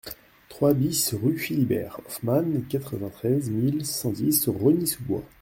trois BIS rue Philibert Hoffmann, quatre-vingt-treize mille cent dix Rosny-sous-Bois